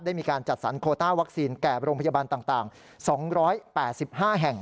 มีการจัดสรรโคต้าวัคซีนแก่โรงพยาบาลต่าง๒๘๕แห่ง